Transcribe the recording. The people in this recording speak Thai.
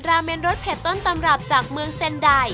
เมนรสเผ็ดต้นตำรับจากเมืองเซ็นได